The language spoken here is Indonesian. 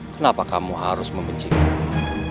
kenapa kamu harus membenci kamu